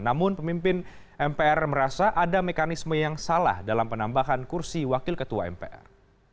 namun pemimpin mpr merasa ada mekanisme yang salah dalam penambahan kursi wakil ketua mpr